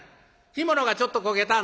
干物がちょっと焦げてはんな。